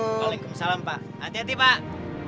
waalaikumsalam pak hati hati pak